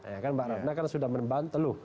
ya kan mbak raffna kan sudah menembantel